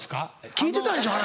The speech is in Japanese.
聞いてたでしょ話。